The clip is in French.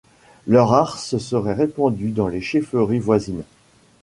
Leur art se serait répandu dans les chefferies voisines.